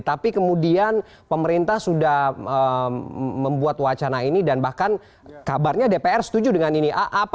tapi kemudian pemerintah sudah membuat wacana ini dan bahkan kabarnya dpr setuju dengan ini